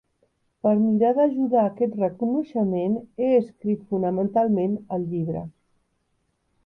Per mirar d’ajudar a aquest reconeixement he escrit, fonamentalment, el llibre.